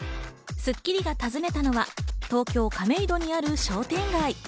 『スッキリ』が訪ねたのは、東京・亀戸にある商店街。